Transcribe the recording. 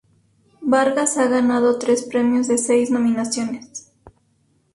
Vargas ha ganado tres premios de seis nominaciones.